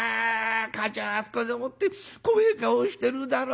かあちゃんあそこでもって怖え顔してるだろ。